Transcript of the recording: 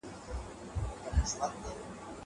زه بايد بوټونه پاک کړم!!